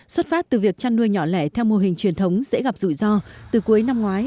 xuất phát từ việc chăn nuôi nhỏ lẻ theo mô hình truyền thống dễ gặp rủi ro từ cuối năm ngoái